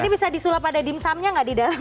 ini bisa disulap ada dimsumnya nggak di dalam